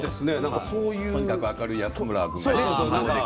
とにかく明るい安村とかね。